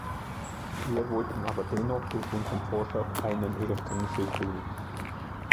Wir wollten aber dennoch durch unseren Vorschlag einen ersten Schritt tun.